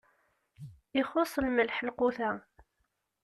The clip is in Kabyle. Ixuṣṣ lmelḥ lqut-a.